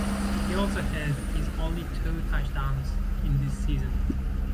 He also had his only two touchdowns in this season.